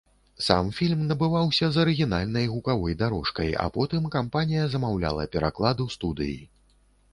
Сам фільм набываўся з арыгінальнай гукавой дарожкай, а потым кампанія замаўляла пераклад у студыі.